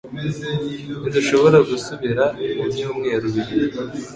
Ntidushobora gusubira mubyumweru bibiri.